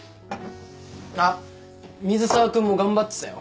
あっ水沢君も頑張ってたよ。